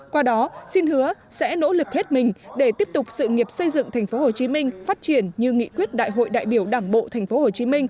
qua đó xin hứa sẽ nỗ lực hết mình để tiếp tục sự nghiệp xây dựng tp hcm phát triển như nghị quyết đại hội đại biểu đảng bộ tp hcm